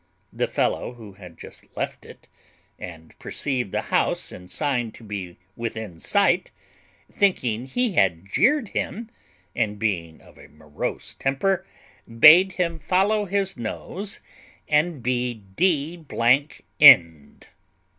The fellow, who had just left it, and perceived the house and sign to be within sight, thinking he had jeered him, and being of a morose temper, bade him follow his nose and be d n'd.